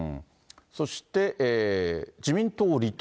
そして、自民党離党。